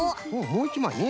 もういちまいね。